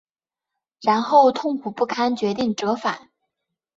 然后痛苦不堪决定折返